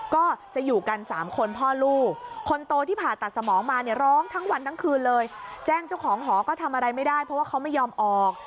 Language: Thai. ก็จะอยู่กันสามคนพ่อลูกคนโตที่ผ่าตัดสมองมาเนี่ยร้องทั้งวันทั้งคืนเลยแจ้งเจ้าของหอก็ทำอะไรไม่ได้เพราะว่าเขาไม่ยอมออก